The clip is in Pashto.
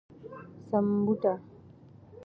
سمبوټه